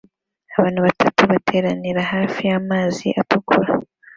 abana batatu bateranira hafi y'amazi atukura